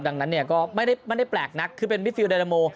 ดังนั้นก็ไม่ได้แปลกนะคือเป็นฟิฟิลดาลาโม